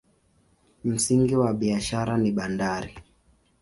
Msingi wa biashara ni bandari.